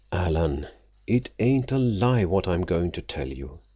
Alan, it ain't a lie what I'm going to tell you!